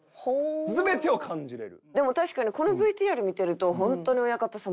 全てを感じられる。